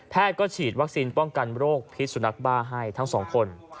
ก็ฉีดวัคซีนป้องกันโรคพิษสุนัขบ้าให้ทั้งสองคน